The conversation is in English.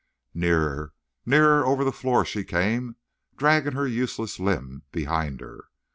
Nearer, nearer over the floor she came, dragging her useless limb behind her.